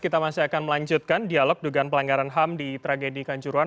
kita masih akan melanjutkan dialog dugaan pelanggaran ham di tragedi kanjuruhan